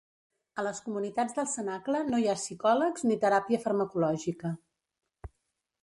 A les comunitats del cenacle no hi ha psicòlegs ni teràpia farmacològica.